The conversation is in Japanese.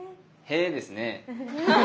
へえですね。